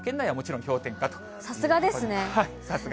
さすがですね。